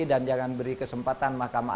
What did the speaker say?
dan jangan beri kesempatan mahkamah